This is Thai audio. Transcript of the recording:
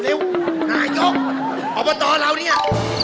แล้วยกหน่อยกอบตเราเนี่ย